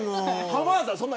浜田さん